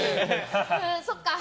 そっか。